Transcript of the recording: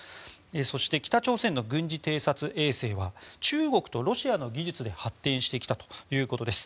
そして北朝鮮の軍事偵察衛星は中国とロシアの技術で発展してきたということです。